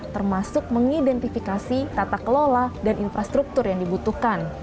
termasuk mengidentifikasi tata kelola dan infrastruktur yang dibutuhkan